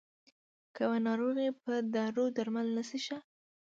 که يوه ناروغي په دارو درمل نه شي ښه.